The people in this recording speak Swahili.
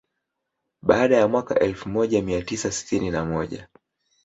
Baada ya mwaka elfu moja mia tisa sitini na moja